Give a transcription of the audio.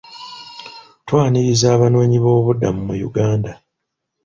Twaniriza Abanoonyiboobubudamu mu Uganda.